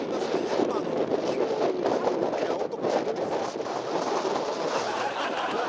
やっぱ急に髪の毛青とか緑にする人って何してくるかわかんないので。